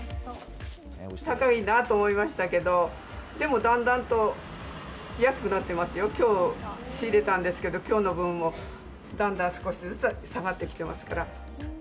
高いなと思いましたけど、でもだんだんと安くなってますよ、きょう、仕入れたんですけど、きょうの分もだんだん少しずつ下がってきてますから。